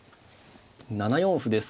７四歩ですか。